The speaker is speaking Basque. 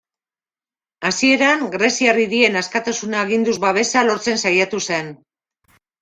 Hasieran, greziar hirien askatasuna aginduz babesa lortzen saiatu zen.